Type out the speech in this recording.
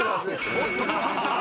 おっと目を閉じた。